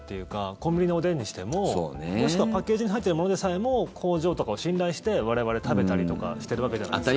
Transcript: コンビニのおでんにしてももしくはパッケージに入っているものでさえも工場とかを信頼して我々食べたりとかしてるわけじゃないですか。